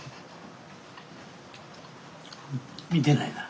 見てないな。